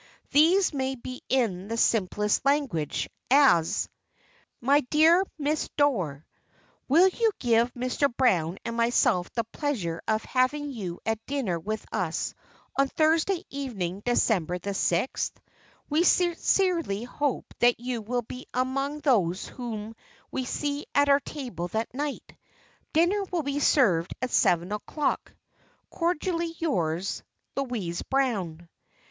These may be in the simplest language, as: "My dear Miss Dorr: "Will you give Mr. Brown and myself the pleasure of having you at dinner with us on Thursday evening, December the sixth? We sincerely hope that you will be among those whom we see at our table that night. Dinner will be served at seven o'clock. "Cordially yours, "Louise Brown."